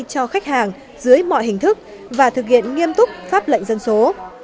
cho khách hàng dưới mọi hình thức và thực hiện nghiêm túc pháp lệnh dân số